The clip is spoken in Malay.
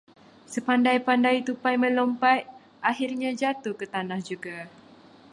Sepandai-pandai tupai melompat, akhirnya jatuh ke tanah juga.